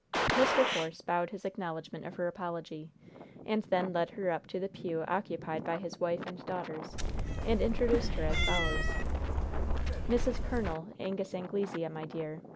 Mr. Force bowed his acknowledgment of her apology, and then led her up to the pew occupied by his wife and daughters, and introduced her as follows: "Mrs. Col. Angus Anglesea, my dear.